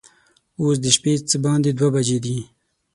اوس د شپې څه باندې دوه بجې دي.